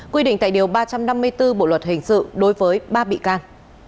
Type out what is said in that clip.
quy định tại điều ba trăm năm mươi bốn bộ luật hình sự đối với ba bị can